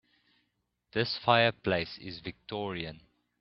This fireplace is victorian.